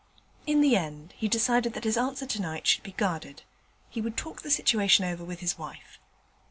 In the end he decided that his answer tonight should be guarded; he would talk the situation over with his wife.